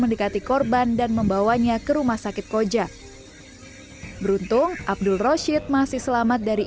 mendekati korban dan membawanya ke rumah sakit koja beruntung abdul roshid masih selamat dari